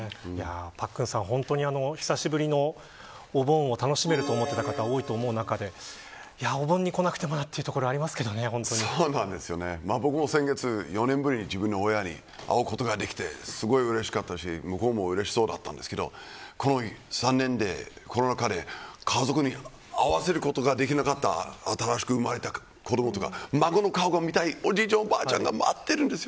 パックンさん、久しぶりのお盆を楽しめると思っていた方が多いと思う中でお盆に来なくてもなと僕も先月４年ぶりに自分の親に会うことができてすごくうれしかったし、向こうもうれしそうだったんですけどコロナ禍で家族に会わせることができなかった新しく生まれた子どもとか孫の顔が見たいおじいちゃんやおばあちゃんが待っているんです。